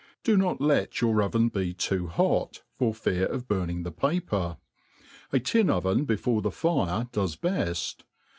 Do not let your oven be too hot, for feat pf burning the paper. A tin oven before the 'fire d<?es beft.